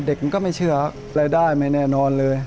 มันก็ไม่เชื่อรายได้ไม่แน่นอนเลย